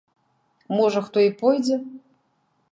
Можа, хто і пойдзе?